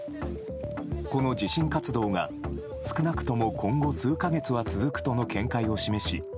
この地震活動が少なくとも今後数か月は続くとの見解を示し